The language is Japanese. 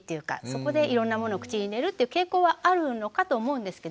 そこでいろんなものを口に入れるっていう傾向はあるのかと思うんですけども。